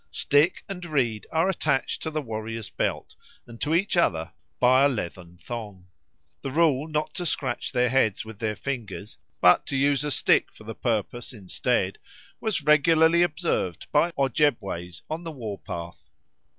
Stick and reed are attached to the warrior's belt and to each other by a leathern thong. The rule not to scratch their heads with their fingers, but to use a stick for the purpose instead, was regularly observed by Ojebways on the war path.